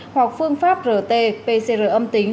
hoặc phương pháp rt pcr âm tính